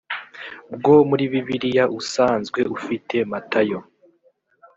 bwo muri bibiliya usanzwe ufite matayo